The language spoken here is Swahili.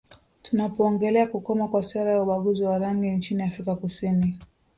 Tunapoongelea kukoma kwa sera za ubaguzi wa rangi nchini Afrika Kusini